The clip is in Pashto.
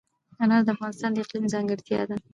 انار د افغانستان د اقلیم ځانګړتیا ده.